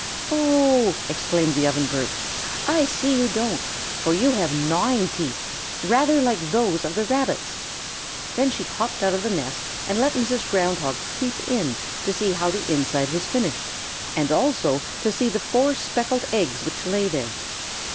"Oh," exclaimed the Ovenbird, "I see you don't, for you have gnawing teeth, rather like those of the Rabbits." Then she hopped out of the nest and let Mrs. Ground Hog peep in to see how the inside was finished and also to see the four speckled eggs which lay there.